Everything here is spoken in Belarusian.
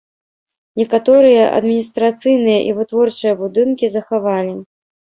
Некаторыя адміністрацыйныя і вытворчыя будынкі захавалі.